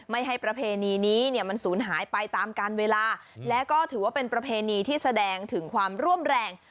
ให้ประเพณีนี้เนี่ยมันสูญหายไปตามการเวลาและก็ถือว่าเป็นประเพณีที่แสดงถึงความร่วมแรง